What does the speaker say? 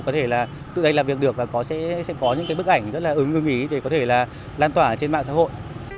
có thể là tụi anh làm việc được và sẽ có những bức ảnh rất là ứng ứng ý để có thể là lan tỏa trên mạng xã hội